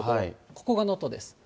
ここが能登です。